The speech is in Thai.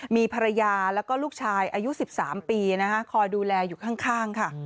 มีภรรยาแล้วก็ลูกชายอายุ๑๓ปีคอยดูแลอยู่ข้างค่ะ